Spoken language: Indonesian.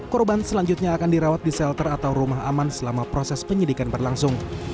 korban selanjutnya akan dirawat di shelter atau rumah aman selama proses penyidikan berlangsung